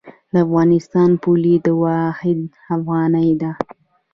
د افغانستان پولي واحد افغانۍ ده